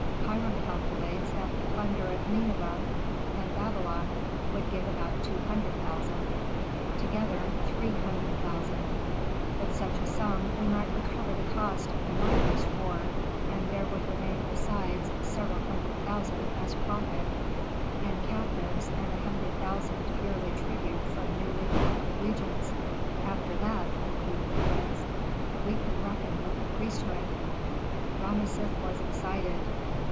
Hiram calculates that the plunder of Nineveh and Babylon would give about two hundred thousand; together, three hundred thousand. With such a sum we might cover the cost of the mightiest war, and there would remain besides several hundred thousand as profit, and captives and a hundred thousand yearly tribute from newly conquered regions. After that," concluded the prince, "we could reckon with the priesthood!" Rameses was excited.